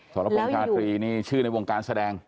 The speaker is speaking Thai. สรพงษ์ชาตรีนี่ชื่อในวงการแสดง